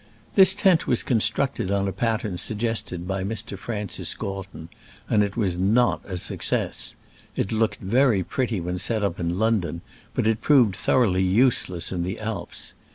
This tent was con structed on a pattern suggested by Mr. Francis Galton, and it was not a success. It looked very pretty when set up in London, but it proved thoroughly use less in the Alps.